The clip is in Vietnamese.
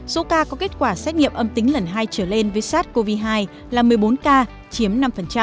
số ca có kết quả xét nghiệm âm tính lần hai trở lên với sars cov hai là một mươi bốn ca chiếm năm